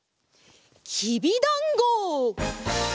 きびだんご！